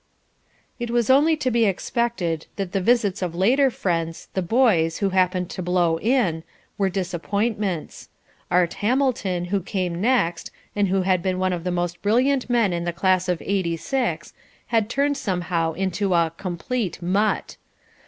It was only to be expected that the visits of later friends the "boys" who happened to "blow in" were disappointments. Art Hamilton, who came next, and who had been one of the most brilliant men of the Class of '86 had turned somehow into a "complete mutt."